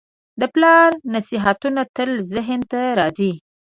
د پلار نصیحتونه تل ذهن ته راځي.